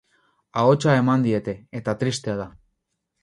Ahotsa eman diete, eta tristea da.